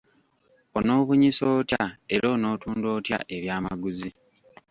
Onoobunyisa otya era onootunda otya ebyamaguzi?